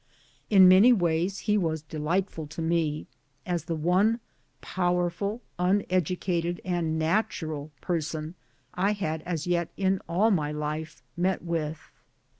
In many ways he was delightful to me, as the one * powerful uneducated ' and natural person I had as yet, in all my life, met with.